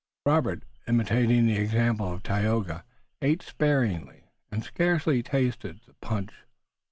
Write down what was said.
Robert, imitating the example of Tayoga, ate sparingly and scarcely tasted the punch.